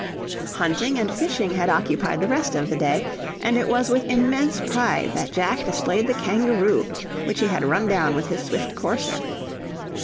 Hunting and fishing had occupied the rest of the day, and it was with immense pride that Jack displayed the kangaroo which he had run down with his swift courser.